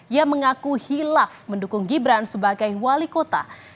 ia mengaku hilaf mendukung gibran sebagai wali kota